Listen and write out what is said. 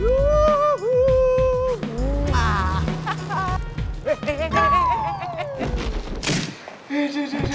terima kasih pak